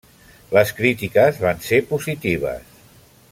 Les crítiques van ser positives.